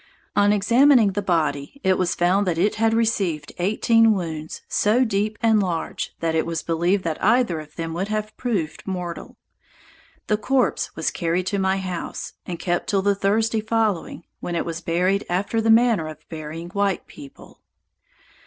On examining the body it was found that it had received eighteen wounds so deep and large that it was believed that either of them would have proved mortal. The corpse was carried to my house, and kept till the Thursday following, when it was buried after the manner of burying white people.